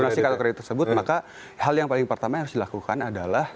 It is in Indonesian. terima kasih kartu kredit tersebut maka hal yang paling pertama yang harus dilakukan adalah